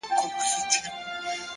که بېله مينې د ليلا تصوير په خوب وويني-